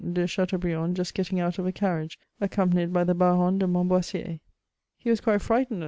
de Chateaubriand just getting out of a carriage, accompanied by the Baron de Montboissier. He was quite frightened at VOL.